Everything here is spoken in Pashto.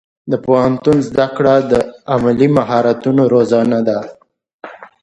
د پوهنتون زده کړه د عملي مهارتونو روزنه ده.